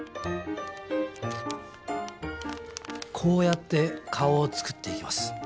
こうやって顔を作っていきます。